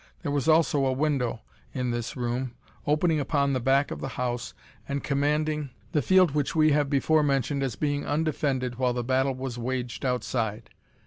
There was also a window in this room opening upon the back of the house and commanding the field which we have before mentioned as being undefended while the battle was waged outside.